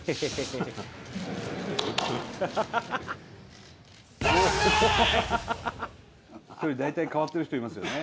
１人大体変わってる人いますよね。